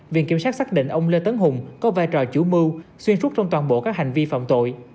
viện kiểm sát xác định ông lê tấn hùng có vai trò chủ mưu xuyên suốt trong toàn bộ các hành vi phạm tội